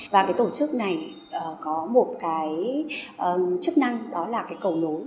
và tổ chức này có một chức năng đó là cầu nối